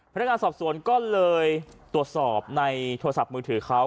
พนักงานสอบสวนก็เลยตรวจสอบในโทรศัพท์มือถือเขา